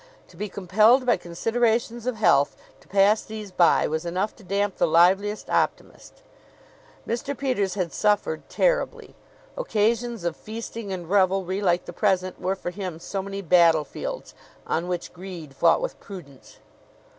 To be compelled by considerations of health to pass these by was enough to damp the liveliest optimist. Mr. Peters had suffered terribly. Occasions of feasting and revelry like the present were for him so many battlefields, on which greed fought with prudence.